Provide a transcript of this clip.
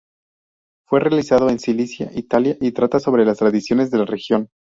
Fue realizado en Sicilia, Italia, y trata sobre las tradiciones de la región.